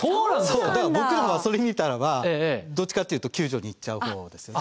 だから僕らはそれ見たらばどっちかっていうと救助に行っちゃう方ですね。